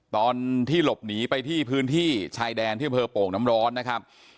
ตอนที่หลบหนีไปที่พื้นที่ชายแดนที่อำเภอโป่งน้ำร้อนนะครับ